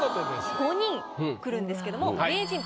５人来るんですけども。